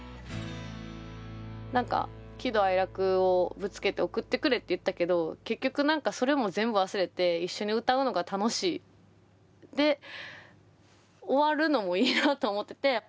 何か喜怒哀楽をぶつけて送ってくれって言ったけど結局何かそれも全部忘れて一緒に歌うのが楽しい。で終わるのもいいなと思ってて。